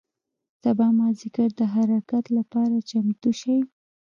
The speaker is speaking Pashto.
سبا مازدیګر د حرکت له پاره چمتو شئ.